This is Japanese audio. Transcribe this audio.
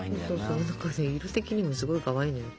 そうそう色的にもすごいかわいいのよ。